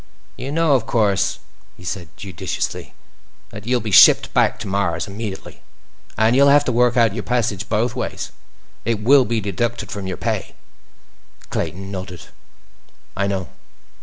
"You know, of course," he said judiciously, "that you'll be shipped back to Mars immediately. And you'll have to work out your passage both ways—it will be deducted from your pay." Clayton nodded. "I know."